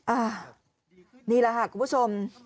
อันนี้แหละค่ะคุณผู้ชม